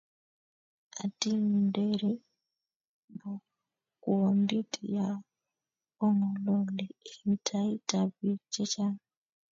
otingderi bokwondit ya ong'ololi eng taitab biik chechang